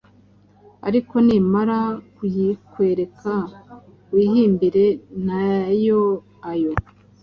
ariko nimara kuyikwereka wihimbire; noye ayo!”